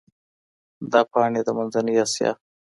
دا پاڼي د منځنۍ اسیا